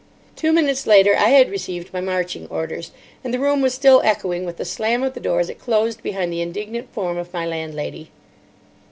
Two minutes later I had received my marching orders, and the room was still echoing with the slam of the door as it closed behind the indignant form of my landlady.